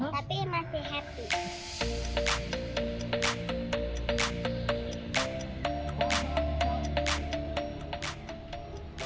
tapi masih happy